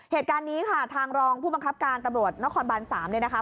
เหตุการณ์นี้ค่ะทางรองผู้บังคับการตำรวจนครบาน๓เนี่ยนะคะ